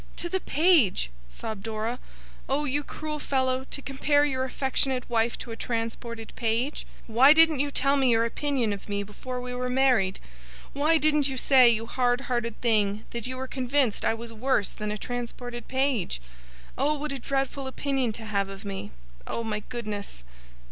'To the page,' sobbed Dora. 'Oh, you cruel fellow, to compare your affectionate wife to a transported page! Why didn't you tell me your opinion of me before we were married? Why didn't you say, you hard hearted thing, that you were convinced I was worse than a transported page? Oh, what a dreadful opinion to have of me! Oh, my goodness!